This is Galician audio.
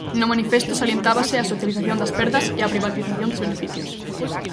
No manifesto salientábase a socialización das perdas e a privatización dos beneficios.